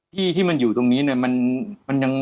ที่ที่มันอยู่ตรงนี้เนี่ยมันยัง